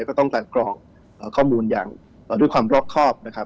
ก็ต้องการกรอกข้อมูลอย่างด้วยความรอบครอบนะครับ